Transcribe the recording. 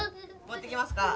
持ってきますか？